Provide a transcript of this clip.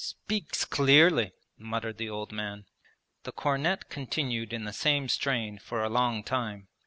'Speaks clearly!' muttered the old man. The cornet continued in the same strain for a long time.